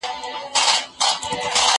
زه پرون سپينکۍ پرېولم وم!؟